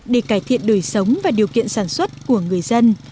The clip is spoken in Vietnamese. để cải thiện đời sống và điều kiện sản xuất của người dân